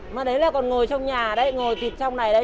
mà đấy là còn ngồi trong nhà đấy ngồi tịt trong này đây